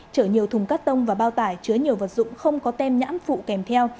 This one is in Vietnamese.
chở nhiều thùng cắt tông và bao tải chứa nhiều vật dụng không có tem nhãn phụ kèm theo